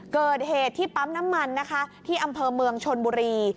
เกิดเหตุที่ปั๊มน้ำมันนะคะที่อำเภอเมืองชนบุรี